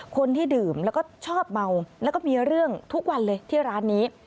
คนที่ดื่มแล้วก็ชอบเมาแล้วก็มีเรื่องทุกวันเลยที่ร้านนี้